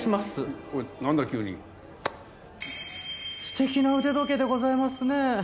素敵な腕時計でございますね。